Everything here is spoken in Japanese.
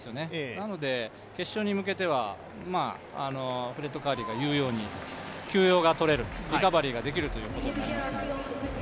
なので決勝に向けてはフレッド・カーリーが言うように休養が取れる、リカバリーができるということだと思いますね。